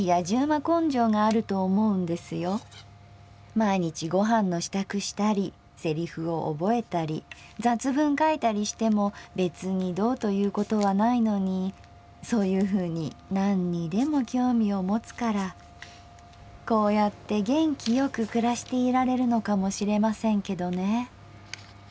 毎日ご飯の支度したりセリフを覚えたり雑文書いたりしても別にどうということはないのにそういうふうに何にでも興味を持つからこうやって元気よく暮らしていられるのかもしれませんけどね。